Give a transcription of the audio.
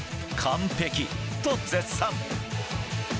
完璧！と絶賛。